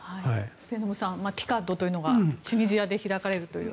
末延さんＴＩＣＡＤというのがチュニジアで開かれる。